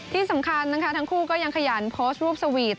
ที่สำคัญนะคะทั้งคู่ก็ยังขยันโพสต์รูปสวีท